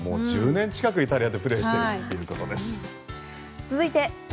石川選手は１０年近くイタリアでプレーしているということです。